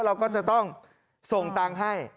เราก็จะต้องส่งตังค์ให้